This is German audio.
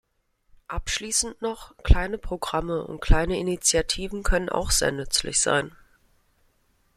Abschließend noch, kleine Programme und kleine Initiativen können auch sehr nützlich sein.